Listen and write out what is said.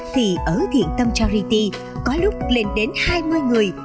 thì ở thiện tâm charity có lúc lên đến hai mươi người